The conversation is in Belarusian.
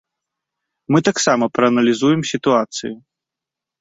Мы таксама прааналізуем сітуацыю.